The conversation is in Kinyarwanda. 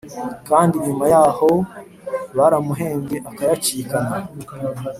Kndi nyuma yahoo baramuhembye akayacikana